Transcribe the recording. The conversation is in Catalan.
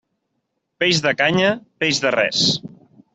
Peix de canya, peix de res.